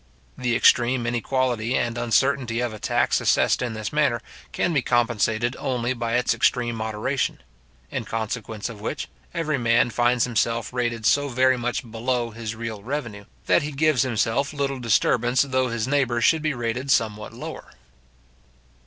The extreme inequality and uncertainty of a tax assessed in this manner, can be compensated only by its extreme moderation; in consequence of which, every man finds himself rated so very much below his real revenue, that he gives himself little disturbance though his neighbour should be rated somewhat lower.